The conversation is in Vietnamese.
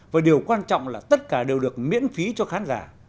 và điều quan trọng là tất cả đều được miễn phí cho khán giả